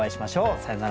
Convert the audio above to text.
さようなら。